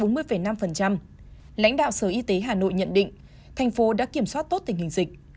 lãnh đạo sở y tế hà nội nhận định thành phố đã kiểm soát tốt tình hình dịch